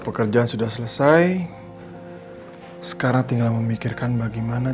pertanyaan apa yang dikasih polisi sama nino